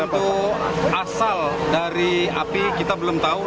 untuk asal dari api kita belum tahu